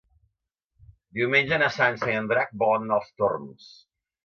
Diumenge na Sança i en Drac volen anar als Torms.